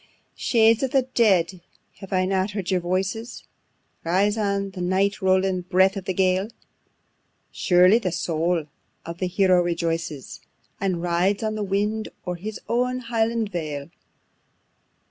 3. "Shades of the dead! have I not heard your voices Rise on the night rolling breath of the gale?" Surely, the soul of the hero rejoices, And rides on the wind, o'er his own Highland vale!